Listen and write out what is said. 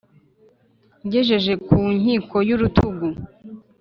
Ngejeje ku nkiko y’ urutugu